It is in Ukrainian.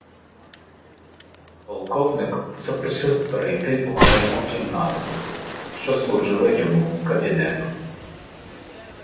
Полковник запросив перейти у маленьку кімнату, що служила йому кабінетом.